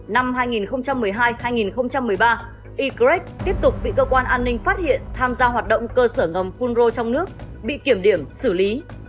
năm hai nghìn một mươi hai hai nghìn một mươi ba ygrec tiếp tục bị cơ quan an ninh phát hiện tham gia hoạt động cơ sở ngầm phun rô trong nước bị kiểm điểm xử lý